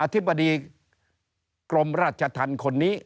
ธิบดีกรมราชธรรมคนนี้